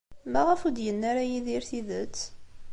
Maɣef ur d-yenni ara Yidir tidet?